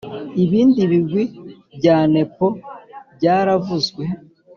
Ibindi bigwi bya nepo byaravuzwe